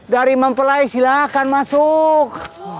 dari mempelai silahkan masuuk